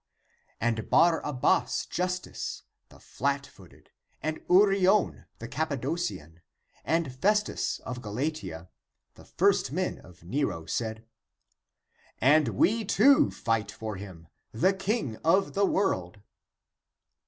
ACTS OF PAUL 45 And Barrabas Justus the flat footed, and Urion the Cappadocian, and Festus of Galatia, the first men of Nero, said, '* And we, too, fight for him, the King of the world."